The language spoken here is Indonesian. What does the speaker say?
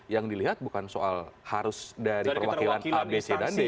yang dilihat bukan soal harus dari perwakilan a b c dan d